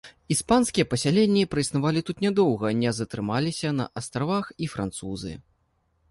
Іспанскія пасяленні праіснавалі тут нядоўга, не затрымаліся на астравах і французы.